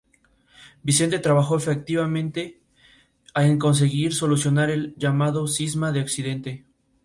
Vicente trabajó activamente en conseguir solucionar el llamado Cisma de Occidente.